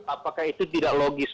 apakah itu tidak logis